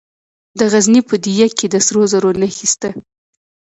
د غزني په ده یک کې د سرو زرو نښې شته.